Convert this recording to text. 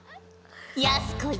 やす子よ